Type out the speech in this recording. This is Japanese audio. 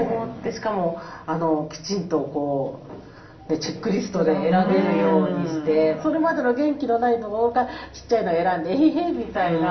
しかもきちんとこうチェックリストで選べるようにしてそれまでの元気のないところからちっちゃいの選んでエヘヘみたいな。